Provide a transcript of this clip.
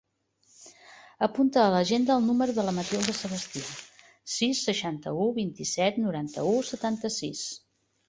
Apunta a l'agenda el número de la Matilda Sebastia: sis, seixanta-u, vint-i-set, noranta-u, setanta-sis.